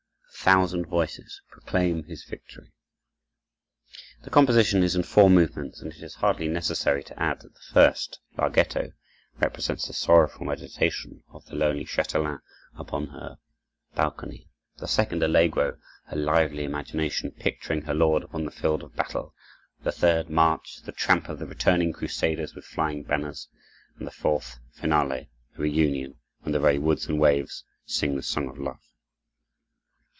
A thousand voices proclaim his victory." The composition is in four movements, and it is hardly necessary to add that the first, larghetto, represents the sorrowful meditation of the lonely châtelaine upon her balcony; the second, allegro, her lively imagination picturing her lord upon the field of battle; the third, march, the tramp of the returning crusaders with flying banners; and the fourth, finale, the reunion when "the very woods and waves sing the song of love."